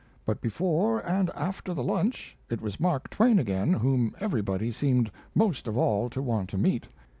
But before and after the lunch it was Mark Twain again whom everybody seemed most of all to want to meet.